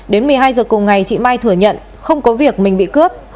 đến một mươi hai giờ cùng ngày chị mai thừa nhận không có việc mình bị cướp